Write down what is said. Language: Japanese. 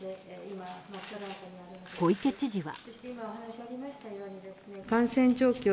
小池知事は。